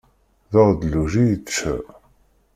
D aɣedluj i yečča.